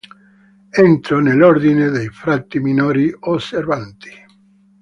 Entrò nell'Ordine dei frati minori osservanti.